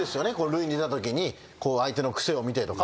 塁に出たときに相手の癖を見てとか。